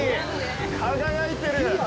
輝いてる！